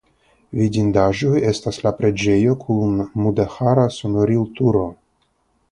Vidindaĵoj estas la preĝejo kun mudeĥara sonorilturo.